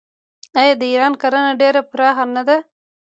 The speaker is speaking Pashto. آیا د ایران کرنه ډیره پراخه نه ده؟